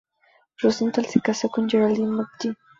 Rosenthal se casó con Geraldine McGee.